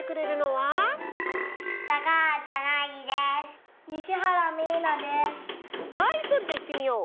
はいそれじゃあいってみよう。